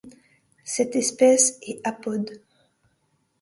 Cette espèce est apode.